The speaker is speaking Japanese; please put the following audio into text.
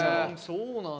そうなんだ。